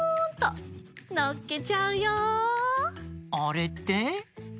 あれって？